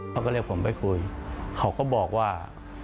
เขาก็เลยเรียกผมไปคุยเขาก็บอกว่า